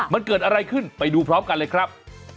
มันเกิดอะไรขึ้นไปดูพร้อมกันเลยครับ